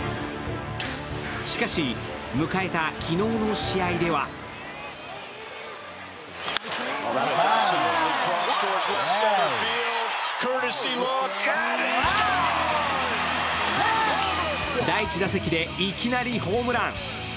しかし、迎えた昨日の試合では第１打席でいきなりホームラン。